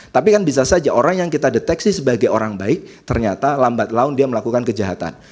tapi kan bisa saja orang yang kita deteksi sebagai orang baik ternyata lambat laun dia melakukan kejahatan